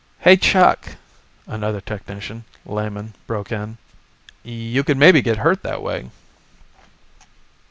"Hey, Chuck," another technician, Lehman, broke in, "you could maybe get hurt that way."